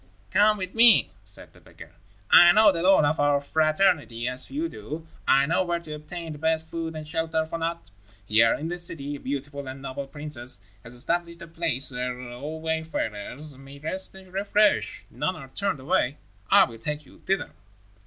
"Come with me," said the beggar. "I know the lore of our fraternity as few do. I know where to obtain the best food and shelter for naught. Here, in this city, a beautiful and noble princess has established a place where all wayfarers may rest and refresh. None are turned away. I will take you thither."